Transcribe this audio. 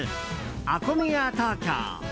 ＡＫＯＭＥＹＡＴＯＫＹＯ。